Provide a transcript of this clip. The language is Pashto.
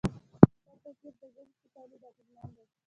دا توپیر د ژبې په تولید اغېزمن دی.